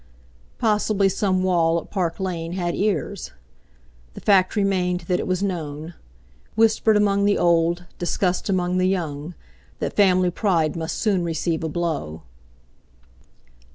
Possibly some wall at Park Lane had ears. The fact remained that it was known—whispered among the old, discussed among the young—that family pride must soon receive a blow.